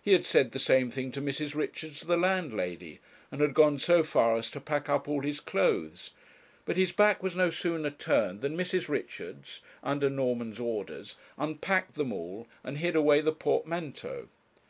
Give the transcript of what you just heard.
He had said the same thing to Mrs. Richards, the landlady, and had gone so far as to pack up all his clothes; but his back was no sooner turned than Mrs. Richards, under Norman's orders, unpacked them all, and hid away the portmanteau.